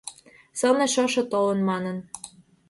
Сылне шошо толын манын